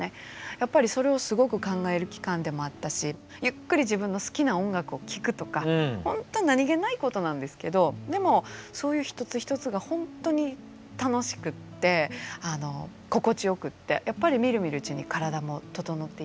やっぱりそれをすごく考える期間でもあったしゆっくり自分の好きな音楽を聴くとかほんと何気ないことなんですけどでもそういう一つ一つが本当に楽しくて心地よくてやっぱりみるみるうちに体も整っていったし。